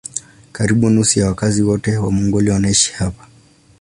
Karibu nusu ya wakazi wote wa Mongolia wanaishi hapa.